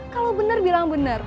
kalau bener bilang bener